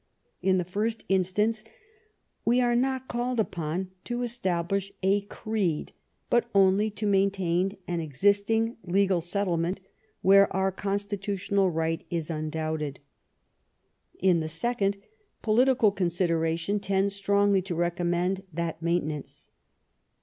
In the first instance, we are not called upon to establish a creed, but only to maintain an existing legal set tlement where our constitutional right is un doubted. In the second, political consideration tends strongly to recommend that maintenance.